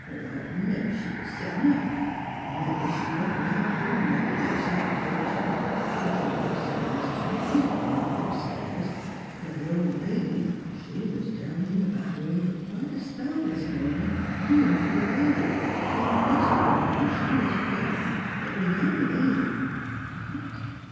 " Mebbe she was settin' up. Milly, she wa'n't allowed t' do nothin' outside th' kitchen; so she couldn't say 's t' what was goin' on upstairs. But the ol' lady; she was down in th' back room fer quite a spell this mornin' doin' fer th' baby; 'n' it must 'a' b'en while she was gone 'at th' young lady "" What!